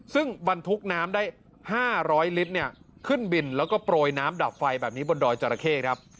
ซึ่งบรรทุกน้ำได้๕๐๐ลิตรเนี่ยขึ้นบินแล้วก็โปรยน้ำดับไฟแบบนี้บนดอยจราเข้ครับ